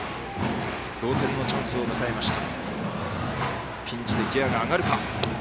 同点のチャンスを迎えました。